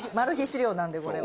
資料なんでこれは。